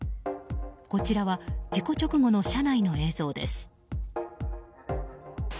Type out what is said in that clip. こちらは事故直後の車内の映像です。